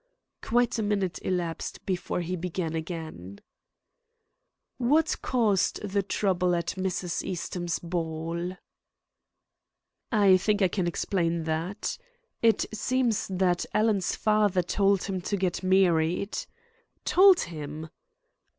Quite a minute elapsed before he began again. "What caused the trouble at Mrs. Eastham's ball?" "I think I can explain that. It seems that Alan's father told him to get married " "Told him!"